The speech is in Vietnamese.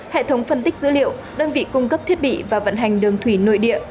hệ thống phân tích dữ liệu đơn vị cung cấp thiết bị và vận hành đường thủy nội địa